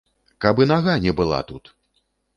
Каб і нага не была тут!